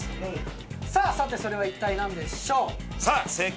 さてそれはいったい何でしょう？